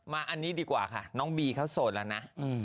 อันนี้ดีกว่าค่ะน้องบีเขาโสดแล้วนะ